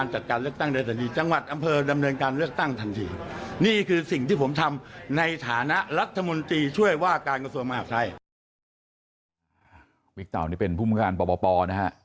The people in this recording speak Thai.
วิกเตาเป็นผู้มีการป่อนะฮะ